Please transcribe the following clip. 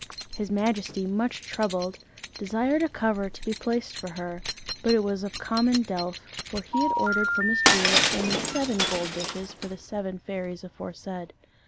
His majesty, much troubled, desired a cover to be placed for her, but it was of common delf, for he had ordered from his jeweller only seven gold dishes for the seven fairies aforesaid.